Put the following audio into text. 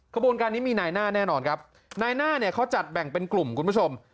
กระบวนการนี้มีนายหน้าแน่นอนครับนายหน้าเนี่ยเขาจัดแบ่งเป็นกลุ่มคุณผู้ชม